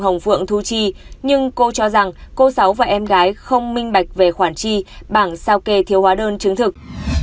hồng phượng thu chi nhưng cô cho rằng cô sáu và em gái không minh bạch về khoản chi bảng sao kê thiếu hóa đơn chứng thực